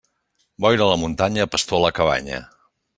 Boira a la muntanya, pastor a la cabanya.